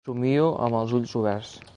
Somio amb els ulls oberts.